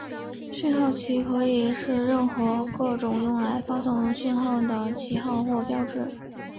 讯号旗可以是任何各种用来发送讯号的旗号或标志。